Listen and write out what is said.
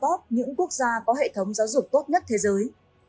và lọt top những quốc gia có hệ thống giáo dục tốt nhất thế giới